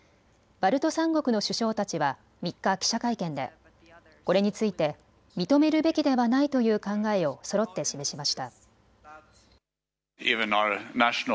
バルト三国の首相たちは３日、記者会見でこれについて認めるべきではないという考えをそろって示しました。